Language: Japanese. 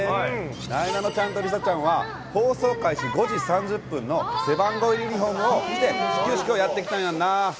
なえなのちゃんと梨紗ちゃんは、放送開始５時３０分の背番号ユニホームを着て、始球式をやってきたやんな。